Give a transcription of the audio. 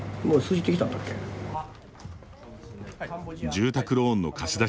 住宅ローンの貸出